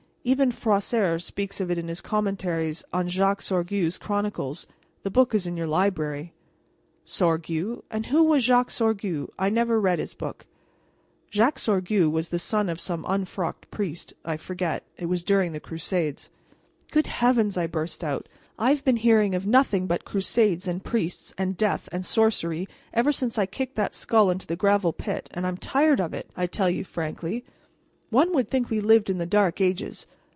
"Even Froissart speaks of it in his commentaries on Jacques Sorgue's Chronicles. The book is in your library." "Sorgue? And who was Jacques Sorgue? I never read his book." "Jacques Sorgue [Transcriber's note: the original reads "Sorque"] was the son of some unfrocked priest I forget. It was during the crusades." "Good Heavens!" I burst out, "I've been hearing of nothing but crusades and priests and death and sorcery ever since I kicked that skull into the gravel pit, and I am tired of it, I tell you frankly. One would think we lived in the dark ages.